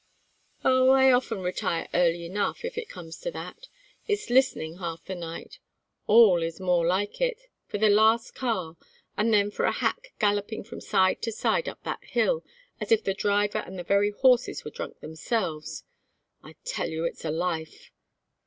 "Oh, I often retire early enough, if it comes to that. It's listening half the night all, is more like it for the last car, and then for a hack galloping from side to side up that hill, as if the driver and the very horses were drunk themselves. I tell you it's a life!"